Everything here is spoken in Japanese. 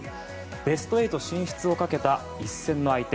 ベスト８進出をかけた一戦の相手